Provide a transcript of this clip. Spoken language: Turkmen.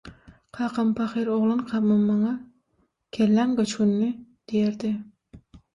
Kakam pahyr oglankamam maňa «Kelläň göçgünli» diýerdi.